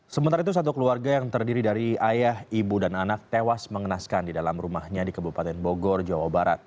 sementara itu satu keluarga yang terdiri dari ayah ibu dan anak tewas mengenaskan di dalam rumahnya di kabupaten bogor jawa barat